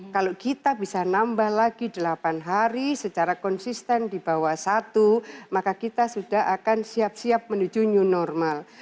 kalau kita bisa nambah lagi delapan hari secara konsisten di bawah satu maka kita sudah akan siap siap menuju new normal